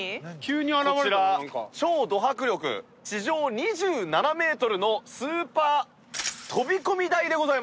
こちら超ド迫力地上２７メートルのスーパー飛込台でございます。